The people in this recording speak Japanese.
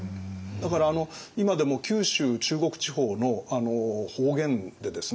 だから今でも九州中国地方の方言でですね